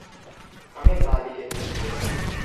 আমি বাঁ-দিকে থাকবো।